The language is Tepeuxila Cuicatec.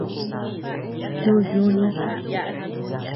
Chu yuni.